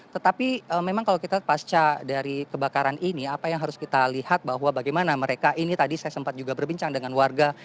tetapi memang kalau kita pasca dari kebakaran ini apa yang harus kita lihat bahwa bagaimana mereka ini tadi saya sempat juga berbincang dengan warga